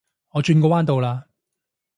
我轉個彎到啦